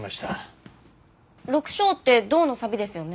緑青って銅のさびですよね？